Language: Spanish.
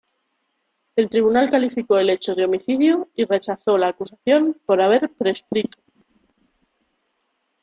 El Tribunal calificó el hecho de homicidio y rechazó la acusación por haber prescrito.